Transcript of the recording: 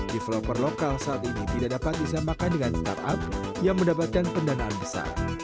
developer lokal saat ini tidak dapat disamakan dengan startup yang mendapatkan pendanaan besar